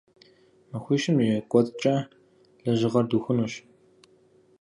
Махуищым и кӏуэцӏкӏэ лэжьыгъэр дыухынущ.